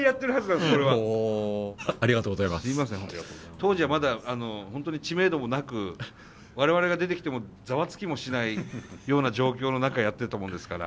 当時はまだ本当に知名度もなく我々が出てきてもざわつきもしないような状況の中やってたものですから。